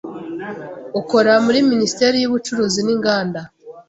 ukora muri Minisiteri y’Ubucuruzi n’Inganda